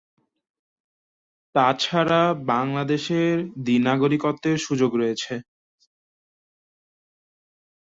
তাছাড়া বাংলাদেশে দ্বি-নাগরিকত্বের সুযোগ রয়েছে।